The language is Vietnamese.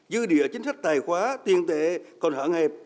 dư địa chính sách tài khóa tiền tệ còn hạn hẹp